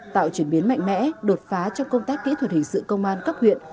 tạo chuyển biến mạnh mẽ đột phá trong công tác kỹ thuật hình sự công an cấp huyện